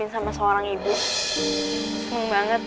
enak maksudnya ku meineh